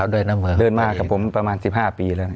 เดินมากับผมประมาณ๑๕ปีแล้วนะ